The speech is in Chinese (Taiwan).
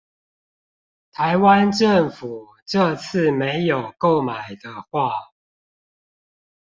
台灣政府這次沒有購買的話